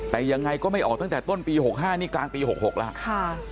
แต่ยังไงก็ไม่ออกตั้งแต่ต้นปี๖๕นี่กลางปี๖๖แล้ว